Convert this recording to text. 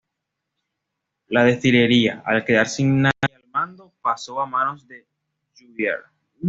La destilería, al quedar sin nadie al mando, pasa a manos de Jiu’er.